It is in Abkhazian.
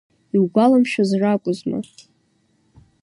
Иугәаламшәоз ракәызма…